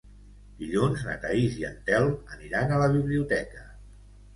Dilluns na Thaís i en Telm aniran a la biblioteca.